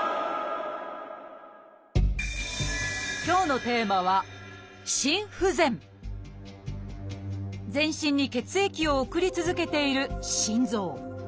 今日のテーマは全身に血液を送り続けている心臓。